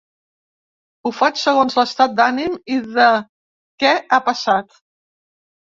Ho faig segons l’estat d’ànim i de què ha passat.